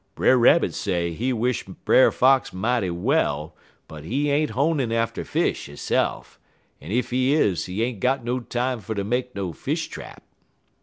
Brer Rabbit say he wish Brer Fox mighty well, but he ain't honin' atter fish hisse'f, en ef he is he ain't got no time fer ter make no fish trap.